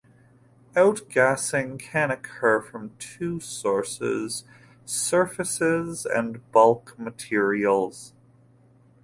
Outgassing can occur from two sources: surfaces and bulk materials.